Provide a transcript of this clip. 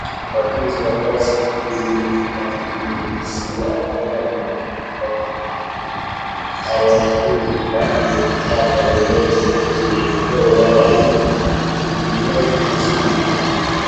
Watunzi wakazi za kihalisiajabu hawafungwi na mipaka yoyote, upeo wao ni ulimwengu mzima